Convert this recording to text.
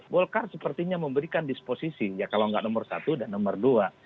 golkar sepertinya memberikan disposisi ya kalau nggak nomor satu dan nomor dua